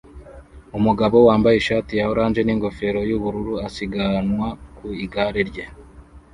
Umugabo wambaye ishati ya orange n'ingofero yubururu asiganwa ku igare rye